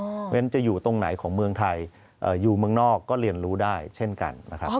เพราะฉะนั้นจะอยู่ตรงไหนของเมืองไทยอยู่เมืองนอกก็เรียนรู้ได้เช่นกันนะครับ